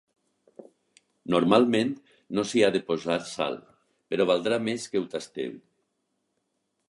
Normalment no s’hi ha de posar sal, però valdrà més que ho tasteu.